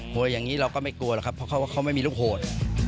อย่างนี้เราก็ไม่กลัวหรอกครับเพราะเขาไม่มีลูกโหด